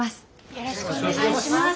よろしくお願いします。